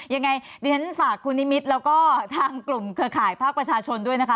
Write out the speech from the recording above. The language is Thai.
ยังไงเดี๋ยวทั้งภาคคุณอิมิดแล้วก็ทางกลุ่มเกอร์ข่ายภาคประชาชนด้วยนะคะ